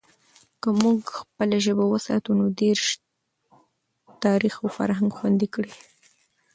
که موږ خپله ژبه وساتو، نو دیرش تاریخ او فرهنگ خوندي کړي.